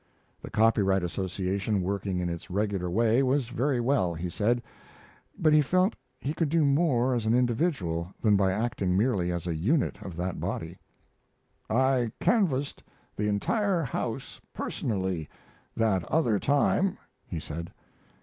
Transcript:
The Copyright Association working in its regular way was very well, he said, but he felt he could do more as an individual than by acting merely as a unit of that body. "I canvassed the entire House personally that other time," he said.